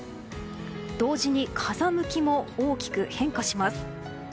同時に風向きも大きく変化します。